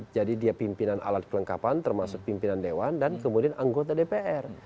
jadi dia pimpinan alat kelengkapan termasuk pimpinan dewan dan kemudian anggota dpr